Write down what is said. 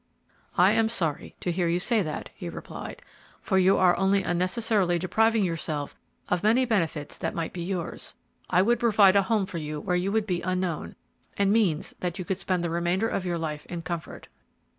"I am sorry to hear you say that," he replied, "for you are only unnecessarily depriving yourself of many benefits that might be yours. I would provide a home for you where you would be unknown, and means that you could spend the remainder of your life in comfort."